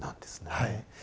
はい。